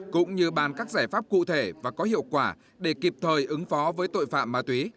cũng như bàn các giải pháp cụ thể và có hiệu quả để kịp thời ứng phó với tội phạm ma túy